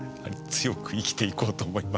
強く生きていこうと思います。